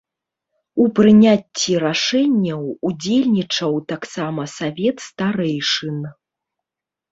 У прыняцці рашэнняў удзельнічаў таксама савет старэйшын.